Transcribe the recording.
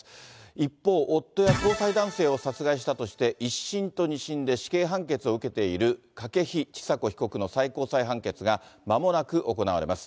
一方、夫や交際男性を殺害したとして、１審と２審で、死刑判決を受けている筧千佐子被告の最高裁判決がまもなく行われます。